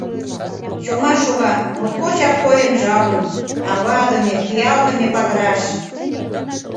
Чома шога, моткочак койын жалын, авадыме, пиалдыме падыраш.